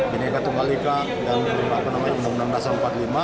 bnk tumbalika dan undang undang dasar empat puluh lima